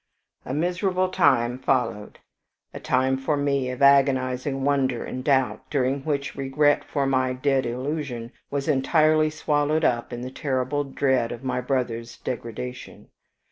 "A miserable time followed, a time for me of agonizing wonder and doubt, during which regret for my dead illusion was entirely swallowed up in the terrible dread of my brother's degradation.